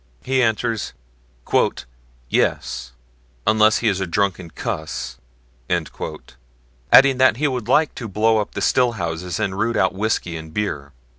he answers: "Yes, unless he is a drunken cuss," adding that he would like to blow up the stillhouses and root out whiskey and beer.